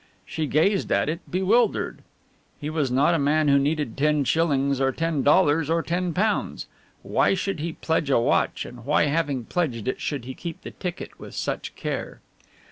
She gazed at it bewildered. He was not a man who needed ten shillings or ten dollars or ten pounds. Why should he pledge a watch and why having pledged it should he keep the ticket with such care?